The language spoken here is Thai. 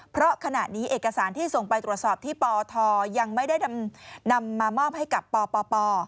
เพราะขณะนี้เอกสารที่ส่งไปตรวจสอบที่ปทยังไม่ได้นำมามอบให้กับปป